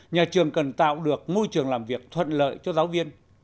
nhà trường cần tạo được môi trường làm việc thuận lợi cho giáo viên